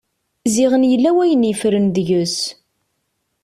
Ziɣen yella wayen yeffren deg-s.